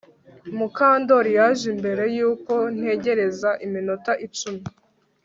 Mukandoli yaje mbere yuko ntegereza iminota icumi